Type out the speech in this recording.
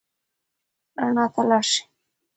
رڼا ته لاړ شئ.